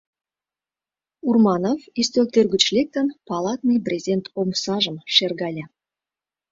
Урманов, ӱстелтӧр гыч лектын, палатный брезент омсажым шергале.